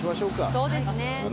そうですね。